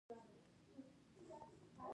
طلا د افغانانو ژوند اغېزمن کوي.